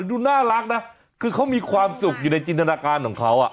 ดูน่ารักนะคือเขามีความสุขอยู่ในจินตนาการของเขา